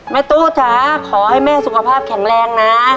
ตู้จ๋าขอให้แม่สุขภาพแข็งแรงนะ